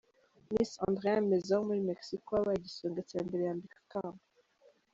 Miss Andrea Meza wo muri Mexico wabaye igisonga cya mbere, yambikwa ikamba.